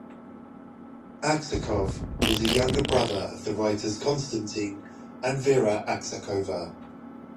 Aksakov was a younger brother of the writers Konstatin and Vera Aksakova.